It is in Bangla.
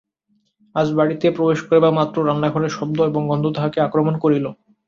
আজ বাড়িতে প্রবেশ করিবামাত্র রান্নাঘরের শব্দ এবং গন্ধ তাহাকে আক্রমণ করিল।